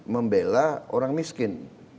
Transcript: membela orang miskin